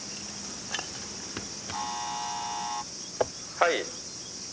「はい」